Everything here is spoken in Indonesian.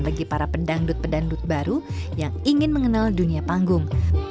bagi para pendangdut pendangdut baru yang ingin mengenal dunia panggung